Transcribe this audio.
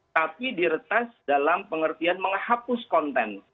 tapi diretas dalam pengertian menghapus konten